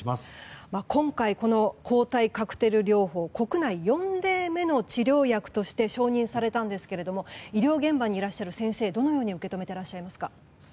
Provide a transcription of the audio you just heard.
今回、抗体カクテル療法国内４例目の治療薬として承認されたんですけど医療現場にいらっしゃる先生はどのように受け止めてらっしゃいますか？